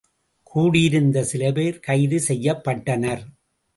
கூடியிருந்த சிலபேர் கைது செய்யப்பட்டனர்.